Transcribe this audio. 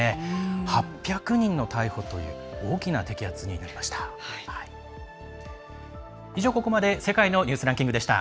８００人の逮捕という大きな摘発になりました。